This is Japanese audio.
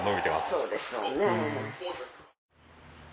そうでしょうね。